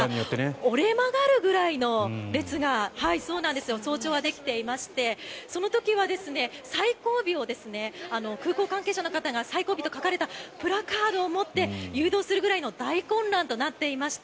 折れ曲がるぐらいの列が早朝はできていましてその時は最後尾を空港関係者の方が最後尾と書かれたプラカードを持って誘導するぐらいの大混乱となっていました。